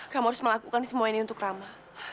kamu harus melakukan semua ini untuk ramah